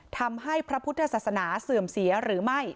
ทำให้พระพุทธศาสนาเสื่อมเสียหรือไม่